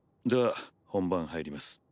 では本番入ります。